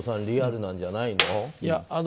リアルなんじゃないの？